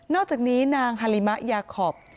อกจากนี้นางฮาลิมะยาคอป